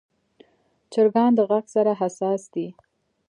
چرګان د غږ سره حساس دي.